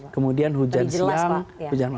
kemudian hujan siang